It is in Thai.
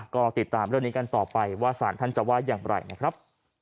ก็ติดตามเรื่องนี้กันต่อไปว่าสารท่านจะว่าอย่างไรนะครับ